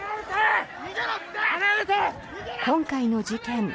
今回の事件